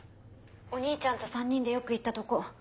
お兄ちゃんと３人でよく行ったとこ。